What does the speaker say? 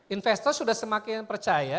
investor sudah semakin percaya